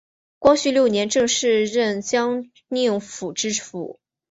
光绪六年正式任江宁府知府。